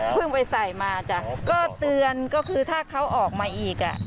ไปใส่มาจ้ะก็เตือนก็คือถ้าเขาออกมาอีกอ่ะ